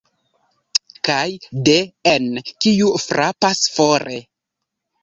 Kaj de-en: ""Kiu frapas fore?".